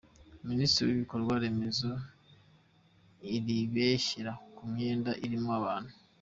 Minisiteri yibikorwa remezo iribeshyera ku myenda irimo abantu